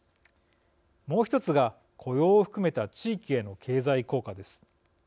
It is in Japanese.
もう１つが雇用を含めた地域への経済効果です。